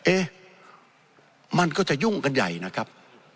เอ๊ะมันก็จะยุ่งกันใหญ่นะครับ